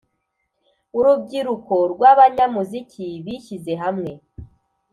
urubyiruko rw’abanyamuziki, bishyize hamwe